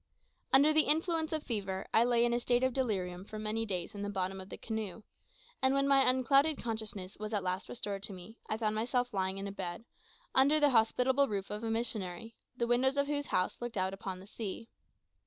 Under the influence of fever, I lay in a state of delirium for many days in the bottom of the canoe; and when my unclouded consciousness was at length restored to me, I found myself lying in a bed, under the hospitable roof of a missionary, the windows of whose house looked out upon the sea.